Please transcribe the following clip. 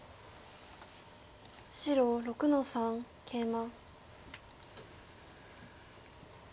白６の三ケイマ。